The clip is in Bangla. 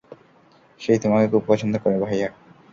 সে তোমাকে খুব পছন্দ করে, ভাইয়া।